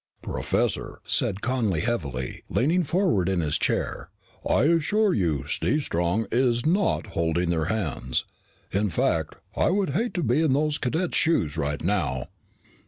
"Professor," said Connel heavily, leaning forward in his chair, "I assure you Steve Strong is not holding their hands. In fact, I would hate to be in those cadets' shoes right now."